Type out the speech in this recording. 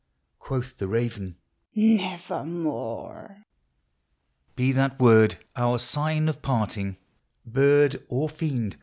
Quoth the raven, " Nevermore !"" Be that word our sign of parting, bird or fiend